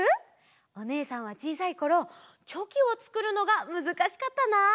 おねえさんはちいさいころチョキをつくるのがむずかしかったな。